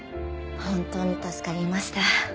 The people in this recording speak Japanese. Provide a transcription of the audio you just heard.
本当に助かりました。